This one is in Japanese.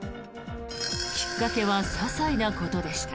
きっかけはささいなことでした。